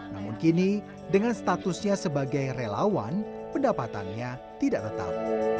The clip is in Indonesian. namun kini dengan statusnya sebagai relawan pendapatannya tidak tetap